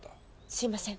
すいません。